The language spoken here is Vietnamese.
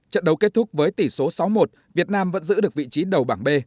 trận đấu kết thúc với tỷ số sáu một việt nam vẫn giữ được vị trí đầu bảng b